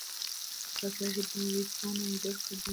هغه سړی چې دا ویبپاڼه یې جوړه کړې ډېر لایق دی.